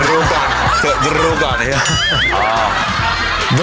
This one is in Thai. ดูก่อนนะครับ